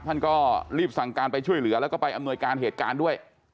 ท่านก็รีบสั่งการไปช่วยเหลือแล้วก็ไปอำนวยการเหตุการณ์ด้วย